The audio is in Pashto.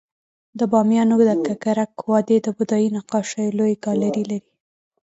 د بامیانو د ککرک وادی د بودایي نقاشیو لوی ګالري لري